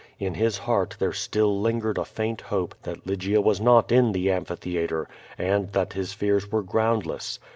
In his heart there still lingered a faint hope tliat Lygia was not in the amphitheatre, and that his fears were groundless.